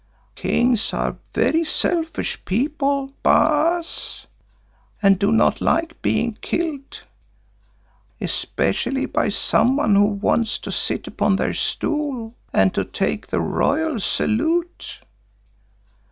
Kings are very selfish people, Baas, and do not like being killed, especially by someone who wants to sit upon their stool and to take the royal salute.